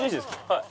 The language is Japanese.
はい。